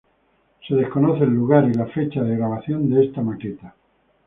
Se desconoce el lugar y la fecha de grabación de esta maqueta.